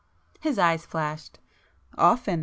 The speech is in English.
His eyes flashed. "Often!